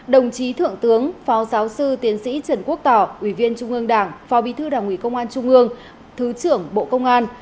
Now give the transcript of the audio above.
đồng chí thượng tướng phó giáo sư tiến sĩ trần quốc tỏ ubnd bộ chính trị bí thư đảng ủy công an trung ương thứ trưởng bộ công an